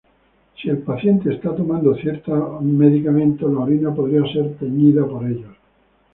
Si el paciente está tomando ciertos medicamentos, la orina podría ser teñida por ellos.